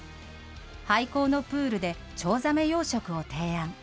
廃校のプールでチョウザメ養殖を提案。